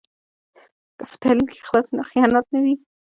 که په تعلیم کې اخلاص وي نو خیانت نه وي.